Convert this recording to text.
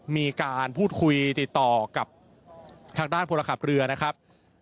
มีการพูดคุยติดต่อกับทางด้านพลขับเรือนะครับ